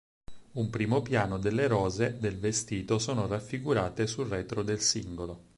Un primo piano delle rose del vestito sono raffigurate sul retro del singolo.